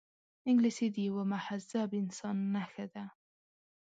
انګلیسي د یوه مهذب انسان نښه ده